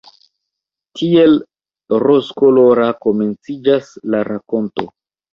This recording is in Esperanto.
Tiel rozkolora komenciĝas la rakonto.